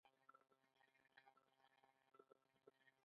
څېړنکو د پښتو د ولسي ادب منظومه برخه هم په دوه ډوله وېشلې